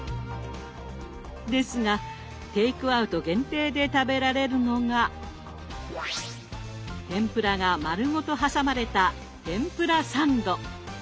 ですがテイクアウト限定で食べられるのが天ぷらが丸ごと挟まれた天ぷらサンド。